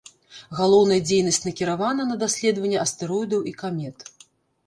Галоўная дзейнасць накіравана на даследаванне астэроідаў і камет.